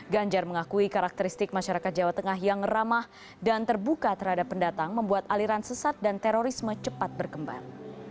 ganjar mengakui karakteristik masyarakat jawa tengah yang ramah dan terbuka terhadap pendatang membuat aliran sesat dan terorisme cepat berkembang